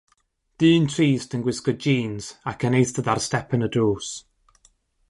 Dyn trist yn gwisgo jîns ac yn eistedd ar stepen y drws.